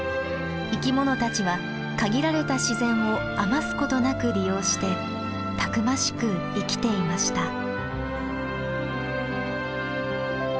生きものたちは限られた自然を余すことなく利用してたくましく生きていました。